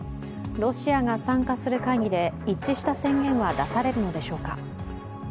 ロシアが参加する会議で一致した宣言は出されるのでしょうか。